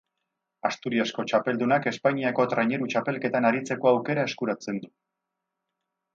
Asturiasko txapeldunak Espainiako Traineru Txapelketan aritzeko aukera eskuratzen du.